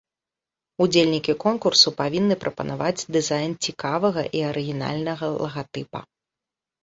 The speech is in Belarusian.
Удзельнікі конкурсу павінны прапанаваць дызайн цікавага і арыгінальнага лагатыпа.